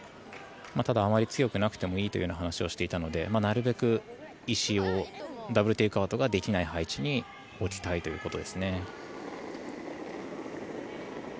ただ、あまり強くなくてもいいという話をしていたのでなるべく石をダブル・テイクアウトができない配置に置きたいということですね。